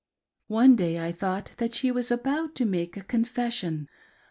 One day I thought that she was about to make a confession.